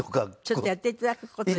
ちょっとやって頂く事できる？